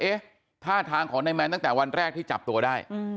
เอ๊ะท่าทางของนายแมนตั้งแต่วันแรกที่จับตัวได้